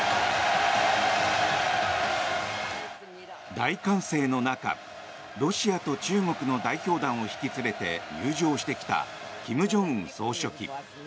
大歓声の中、ロシアと中国の代表団を引き連れて入場してきた金正恩総書記。